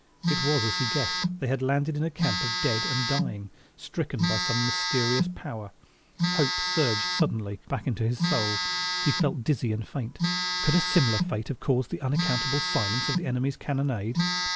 It was as he guessed: they had landed in a camp of dead and dying; stricken by some mysterious power. Hope suddenly surged back into his soul. He felt dizzy and faint. Could a similar fate have caused the unaccountable silence of the enemy's cannonade?